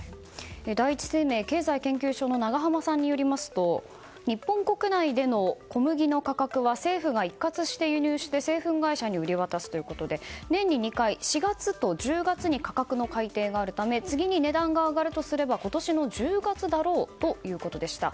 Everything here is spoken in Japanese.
第一生命経済研究所の長濱さんによりますと日本国内での小麦の価格は政府が一括して輸入して製粉会社に売り渡すということで年２回、４月と１０月に価格の改定があるため次に値段が上がるとすれば今年の１０月だろうということでした。